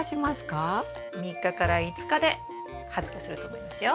３日から５日で発芽すると思いますよ。